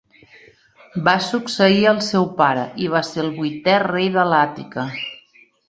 Va succeir el seu pare i va ser el vuitè rei de l'Àtica.